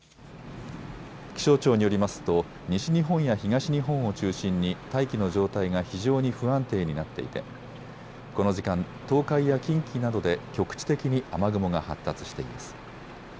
気象庁によりますと西日本や東日本を中心に大気の状態が非常に不安定になっていてこの時間、東海や近畿などで局地的に雨雲が発達しています。